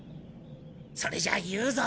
それじゃ言うぞ。